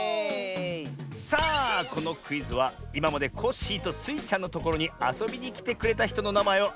さあこのクイズはいままでコッシーとスイちゃんのところにあそびにきてくれたひとのなまえをあてるクイズだよ。